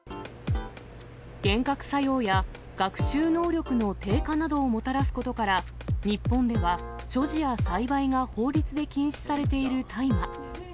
幻覚作用や学習能力の低下などをもたらすことから、日本では所持や栽培が法律で禁止されている大麻。